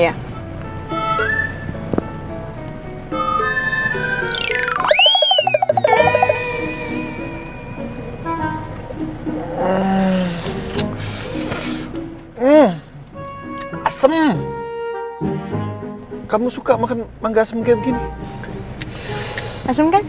asem kamu suka makan mangga semuanya begini